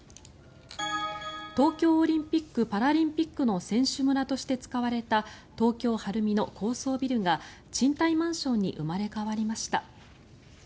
東京オリンピック・パラリンピックの選手村として使われた東京・晴海の高層ビルが賃貸マンションに生まれ変わりました。